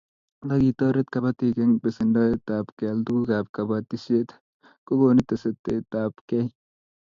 Nda kitoret kabatik eng pesendoab keal tuguk ab kabatishet kokonu tesetetaitab kei